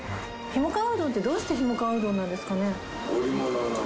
ひもかわうどんってどうしてひもかわうどんなんですかね？